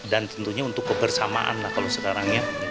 dan tentunya untuk kebersamaan lah kalau sekarang ya